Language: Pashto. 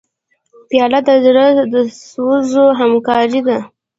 پیاله د زړه د سوز همکار ده.